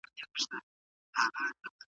او محتاجه د لاسونو د انسان دي